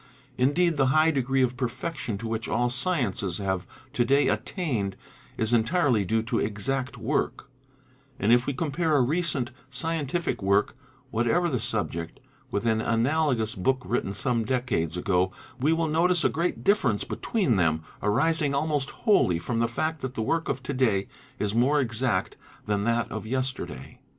Indeed the high degree of perfection to which all sciences have to day attained is entirely due to "exact" work; and if we compare a recent — scientific work, whatever the subject, with an analogous book written — some decades ago, we will notice a great difference between them arising almost wholly from the fact that the work of to day is more exact than that of yesterday.